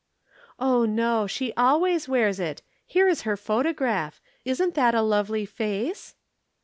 "Oh, no. She always wears it. Here is her photograph. Isn't that a lovely face?"